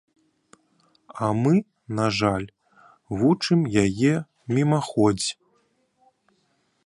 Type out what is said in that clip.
А мы, на жаль, вучым яе мімаходзь.